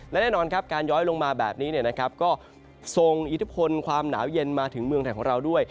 และแน่นอนครับการย้อยลงมาแบบนี้ก็ส่งอิทธิพลความหนาวเย็นมาถึงเมืองไทยของเราด้วย